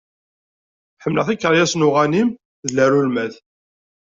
Ḥemmleɣ tikeryas n uɣanim d larulmat.